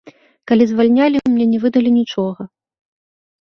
Калі звальнялі, мне не выдалі нічога.